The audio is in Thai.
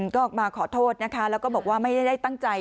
ก็ออกมาขอโทษนะคะแล้วก็บอกว่าไม่ได้ตั้งใจ